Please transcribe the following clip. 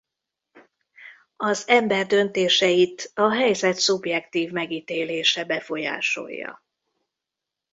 Az ember döntéseit a helyzet szubjektív megítélése befolyásolja.